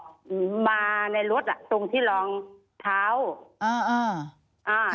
อืมมาในรถอ่ะตรงที่รองเท้าอ่าอ่าอ่า